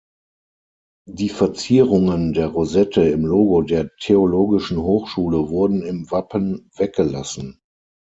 Die Verzierungen der Rosette im Logo der Theologischen Hochschule wurden im Wappen weggelassen.